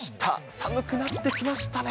寒くなってきましたね。